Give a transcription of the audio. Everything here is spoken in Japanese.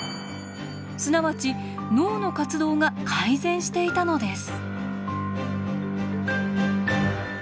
すなわち脳の活動が改善していたのです。